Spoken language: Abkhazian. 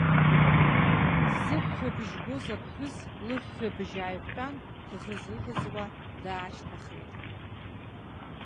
Зыҳәҳәабжь гоз аԥҳәыс, лыҳәҳәабжь ааиқәтәан, дӷызыӷызуа даашьҭахеит.